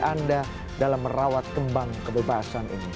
anda dalam merawat kembang kebebasan ini